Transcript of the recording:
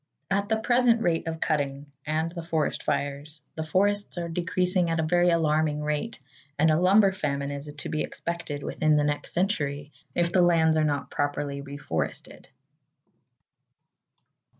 At the present rate of cutting, and the forest fires, the forests are decreasing at a very alarming rate, and a lumber famine is to be expected within the next century, if the lands are not properly reforested.